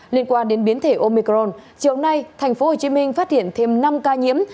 liên quan đến biến thể omicron chiều nay thành phố hồ chí minh phát hiện thêm năm ca nhiễm